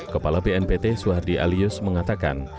kepala bnpt suhardi alius mengatakan